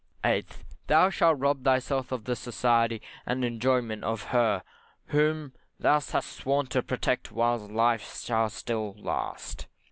8th, Thou shalt rob thyself of the society and enjoyment of her whom thou hast sworn to protect while life shall last.